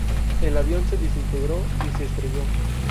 El avión se desintegró y se estrelló.